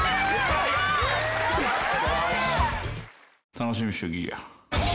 「楽しみにしときぃや」